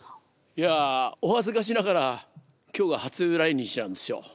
いやお恥ずかしながら今日が初来日なんですよ。